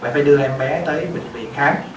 phải đưa em bé tới bệnh viện khác